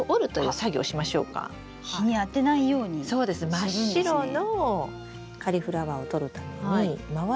真っ白のカリフラワーをとるために周りの葉を。